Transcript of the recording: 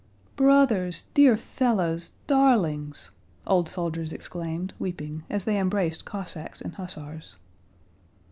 "Brothers! Dear fellows! Darlings!" old soldiers exclaimed, weeping, as they embraced Cossacks and hussars.